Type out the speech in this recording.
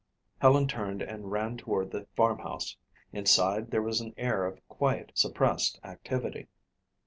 Helen turned and ran toward the farmhouse. Inside there was an air of quiet, suppressed activity.